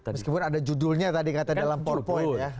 meskipun ada judulnya tadi kata dalam powerpoint ya